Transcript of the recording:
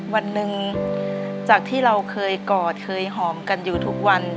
วันหนึ่งจากที่เราเคยกอดเคยหอมกันอยู่ทุกวัน